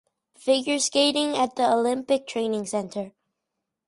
Figure Skating at the Olympic Training Center.